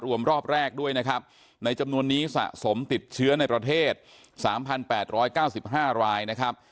รวมรอบแรกด้วยนะครับในจำนวนนี้สะสมติดเชื้อในประเทศสามพันแปดร้อยเก้าสิบห้ารายนะครับ